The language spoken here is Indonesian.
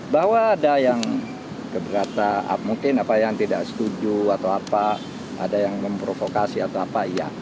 bahwa ada yang keberatan mungkin apa yang tidak setuju atau apa ada yang memprovokasi atau apa iya